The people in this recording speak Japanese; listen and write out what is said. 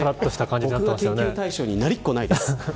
僕は研究対象になりっこないです。